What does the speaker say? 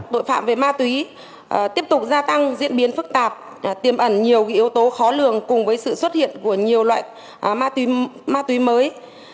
tội phạm về ma túy tiếp tục gia tăng diễn biến phức tạp tiêm ẩn nhiều yếu tố khó lường cùng với sự xuất hiện của nhiều loại ma túy mới